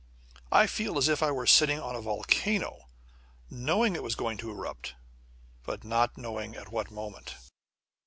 "I feel as if I were sitting on a volcano, knowing it was going to erupt, but not knowing at what moment."